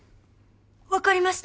分かりました！